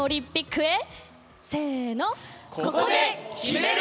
ここで、決める。